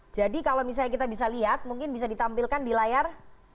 jadi kalau misalnya kita bisa lihat mungkin bisa ditampilkan di layar